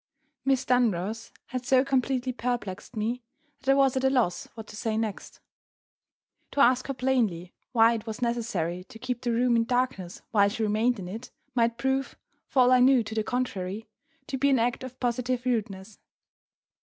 MISS DUNROSS had so completely perplexed me, that I was at a loss what to say next. To ask her plainly why it was necessary to keep the room in darkness while she remained in it, might prove (for all I knew to the contrary) to be an act of positive rudeness.